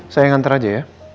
saya yang antar aja ya